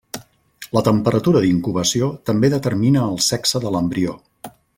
La temperatura d'incubació també determina el sexe de l'embrió.